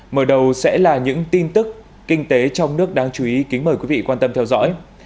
mở đầu sẽ là những tin tức kinh tế trong nước đáng chú ý kính mời quý vị quan tâm theo dõi